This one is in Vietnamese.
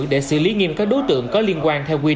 để xử lý nghiêm các đối tượng có liên quan theo quy định